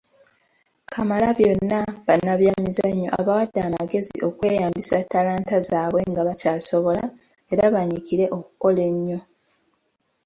Kamalabyonna bannabyamizannyo abawadde amagezi okweyambisa talanta zaabwe nga bakyasobola era banyikire okukola ennyo.